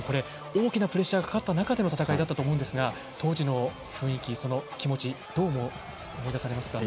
大きなプレッシャーがかかった中での戦いだったと思いますが当時の雰囲気、その気持ちどう思い出されますか？